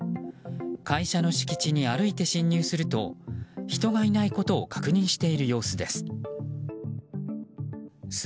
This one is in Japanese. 会社の敷地に歩いて侵入すると人がいないことを確認している様子です。